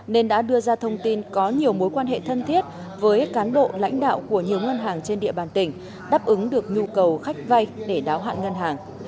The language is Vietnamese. nên đã đưa ra thông tin có nhiều mối quan hệ thân thiết với cán bộ lãnh đạo của nhiều ngân hàng trên địa bàn tỉnh đáp ứng được nhu cầu khách vay để đáo hạn ngân hàng